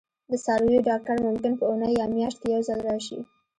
د څارویو ډاکټر ممکن په اونۍ یا میاشت کې یو ځل راشي